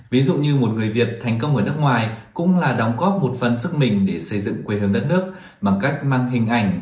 ví dụ như một người việt thành công ở nước ngoài cũng là đóng góp một phần sức mình để xây dựng quê hương đất nước bằng cách mang hình ảnh